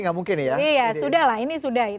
nggak mungkin ya sudah lah ini sudah